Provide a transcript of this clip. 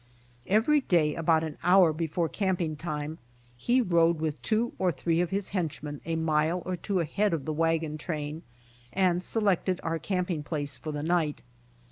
Every day about an hour before camping time he rode with two or three of his henchmen ,a mile or two ahead of the wagon train and selected our camping place for the night.